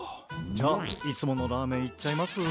じゃあいつものラーメンいっちゃいます？